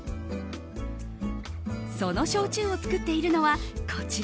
その焼酎を造っているのはこちら。